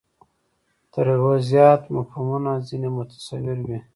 تر یوه زیات مفهومونه ځنې متصور وي.